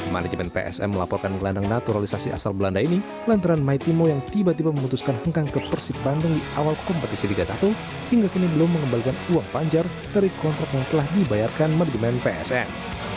manajemen psm melaporkan gelandang naturalisasi asal belanda ini lantaran maitimo yang tiba tiba memutuskan hengkang ke persib bandung di awal kompetisi liga satu hingga kini belum mengembalikan uang panjar dari kontrak yang telah dibayarkan manajemen psn